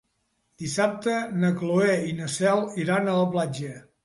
Dissabte na Cloè i na Cel iran a la platja.